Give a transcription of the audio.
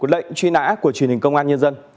lệnh truy nã của truyền hình công an nhân dân